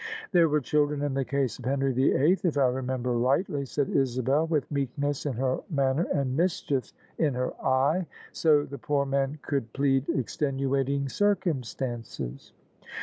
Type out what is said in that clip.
" There were children in the case of Henry the Eighth, if I remember rightly," said Isabel, with meekness in her manner and mischief in her eye: "so the poor man could plead extenuating circumstances."